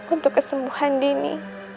untuk kesembuhan dini